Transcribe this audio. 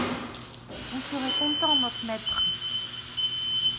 Vous serez content, not' maître ….